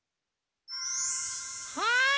はい！